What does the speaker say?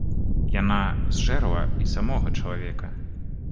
Яна зжэрла і самога чалавека.